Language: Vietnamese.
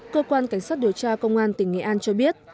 cơ quan cảnh sát điều tra công an tỉnh nghệ an cho biết